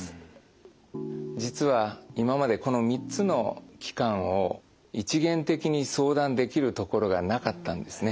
実は今までこの３つの機関を一元的に相談できるところがなかったんですね。